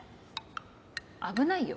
危ないよ